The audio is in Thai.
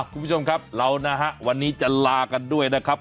คุณผู้ชมครับเรานะฮะวันนี้จะลากันด้วยนะครับ